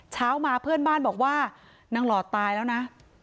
เช้ามาเพื่อนบ้านบอกว่านางหลอดตายแล้วนะ